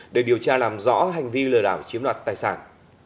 để điều tra làm rõ hành vi lừa đảo chiếm đoạt tài sản